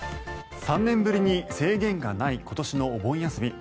３年ぶりに制限がない今年のお盆休み。